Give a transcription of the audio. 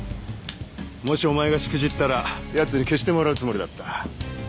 もしお前がしくじったらやつに消してもらうつもりだった。